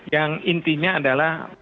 yang intinya adalah